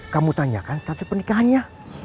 kamu tanyakan status pernikahannya